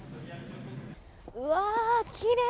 うわあ、きれい！